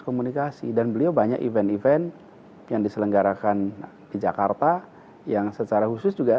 komunikasi dan beliau banyak event event yang diselenggarakan di jakarta yang secara khusus juga